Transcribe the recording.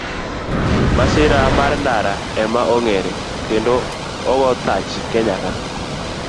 Masira mar ndara ema ong'ere kendo ogo thach Kenya ka.